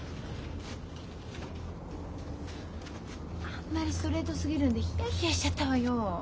あんまりストレートすぎるんでひやひやしちゃったわよ。